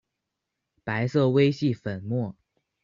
白色微细粉末。